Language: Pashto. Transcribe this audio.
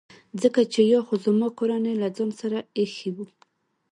ځکه چي یا خو زما کورنۍ له ځان سره ایښي وو.